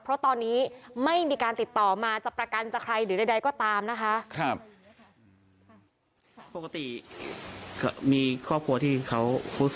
เพราะตอนนี้ไม่มีการติดต่อมาจะประกันจะใครหรือใดก็ตามนะคะ